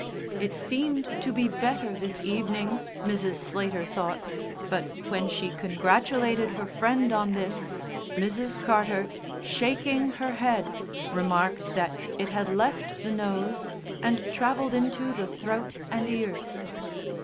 It seemed to be better this evening, Mrs. Slater thought, but when she congratulated her friend on this, Mrs. Carter, shaking her head, remarked that it had left the nose and travelled into the throat and ears.